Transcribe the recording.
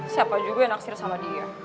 siapa juga yang nafsir sama dia